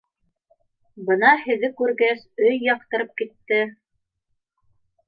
Бына һеҙҙе күргәс, өй яҡтырып китте.